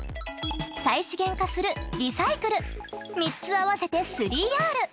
再資源化する「リサイクル」３つ合わせて「３Ｒ」。